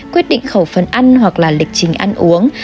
quyết định khẩu phần ăn hoặc là lịch trình ăn uống